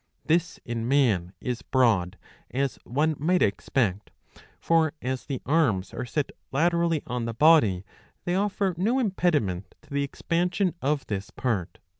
This in man is broad, as one might expect. For as the arms are set laterally on the body, they offer no impediment to the expansion of this part.